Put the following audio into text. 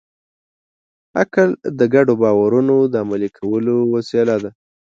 عقل د ګډو باورونو د عملي کولو وسیله ده.